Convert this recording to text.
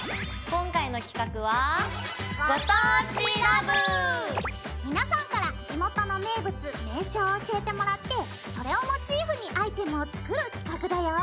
今回の企画は皆さんから地元の名物名所を教えてもらってそれをモチーフにアイテムを作る企画だよ。